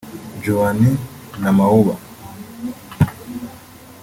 Joan Namawuba